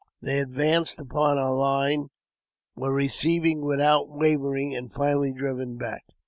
They advanced upon our line, were received without wavering, and finally driven back.